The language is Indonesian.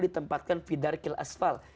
ditempatkan vidarkil asfal